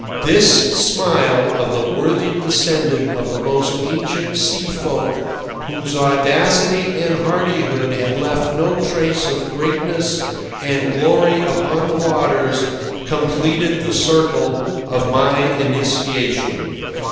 This smile of the worthy descendant of the most ancient sea folk whose audacity and hardihood had left no trace of greatness and glory upon the waters, completed the cycle of my initiation.